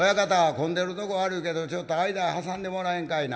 混んでるとこ悪いけどちょっと間へ挟んでもらえんかいな？」。